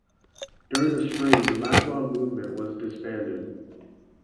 During the spring the Lapua Movement was disbanded.